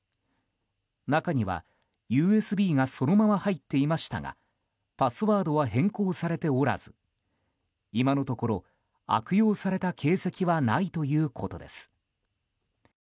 中にはＵＳＢがそのまま入っていましたがパスワードは変更されておらず今のところ悪用された形跡はないということです。